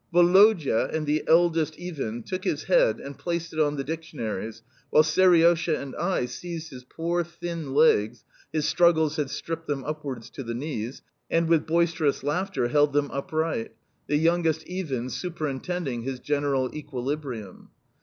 Woloda and the eldest Iwin took his head and placed it on the dictionaries, while Seriosha, and I seized his poor, thin legs (his struggles had stripped them upwards to the knees), and with boisterous, laughter held them uptight the youngest Iwin superintending his general equilibrium.